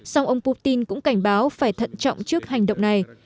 song ông putin cũng cảnh báo phải thận trọng trước hành động này